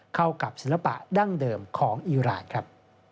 เข้ากับศิลปะดั้งเดิมของอีรานครับ